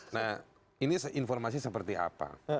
nah ini informasi seperti apa